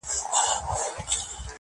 په ښکارپورۍ سترگو کي، راته گلاب راکه.